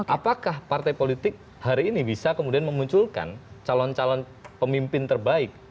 apakah partai politik hari ini bisa kemudian memunculkan calon calon pemimpin terbaik